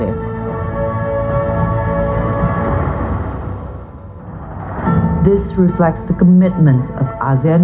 ini menyebabkan komitmen negara asia